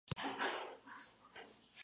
La coreografía fue realizada por Thea Bay.